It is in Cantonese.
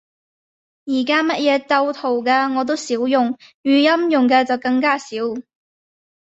而家乜嘢鬥圖嘅，我都少用，語音用嘅就更加少